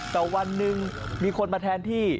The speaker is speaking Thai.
แต่วันหนึ่งมีคนมาแทนที่